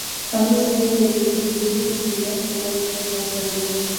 هغه سړي ویل چې د کورونو د راکړې ورکړې استازی دی